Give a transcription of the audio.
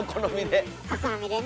お好みでね。